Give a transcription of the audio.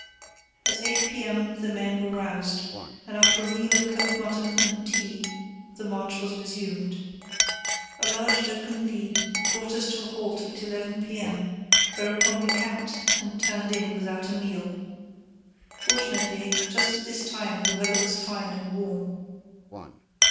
At 8 p.m. the men were roused, and after a meal of cold mutton and tea, the march was resumed. A large open lead brought us to a halt at 11 p.m., whereupon we camped and turned in without a meal. Fortunately just at this time the weather was fine and warm.